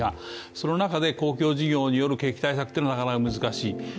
その中で公共事業による景気対策というのはなかなか難しい。